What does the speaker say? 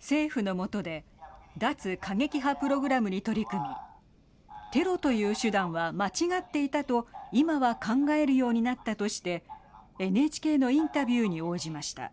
政府のもとで脱過激派プログラムに取り組みテロという手段は間違っていたと今は考えるようになったとしてＮＨＫのインタビューに応じました。